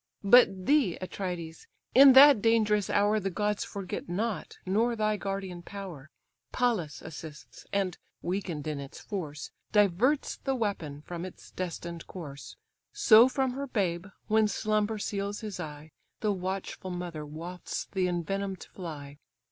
But thee, Atrides! in that dangerous hour The gods forget not, nor thy guardian power, Pallas assists, and (weakened in its force) Diverts the weapon from its destined course: So from her babe, when slumber seals his eye, The watchful mother wafts the envenom'd fly.